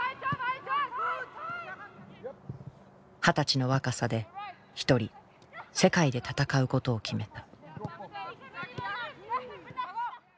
二十歳の若さで一人世界で戦うことを決めた。